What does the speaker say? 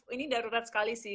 ini darurat sekali sih